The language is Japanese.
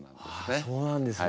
ああそうなんですね。